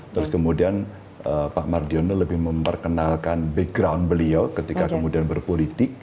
terus kemudian pak mardiono lebih memperkenalkan background beliau ketika kemudian berpolitik